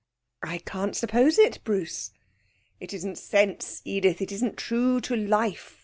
'I can't suppose it, Bruce.' 'It isn't sense, Edith; it isn't true to life.